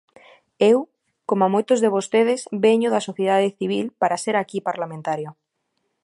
Eu, coma moitos de vostedes, veño da sociedade civil para ser aquí parlamentario.